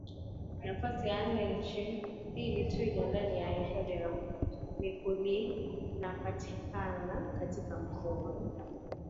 nafasi ya nne nchinimbiliTwiga ndani ya Hifadhi ya MikumiInapatikana katika Mkoa